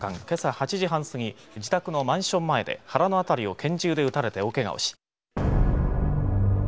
今朝８時半過ぎ自宅のマンション前で腹の辺りをけん銃で撃たれて大けがをし。